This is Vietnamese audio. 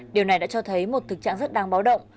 điều này đã cho thấy một thực trạng rất đáng báo động